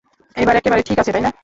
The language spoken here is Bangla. এবার এক্কেবারে ঠিক আছে, তাইনা?